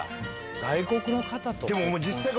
外国の方と結婚？